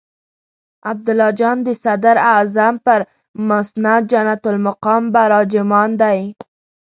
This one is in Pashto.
عبدالله جان د صدراعظم پر مسند جنت المقام براجمان دی.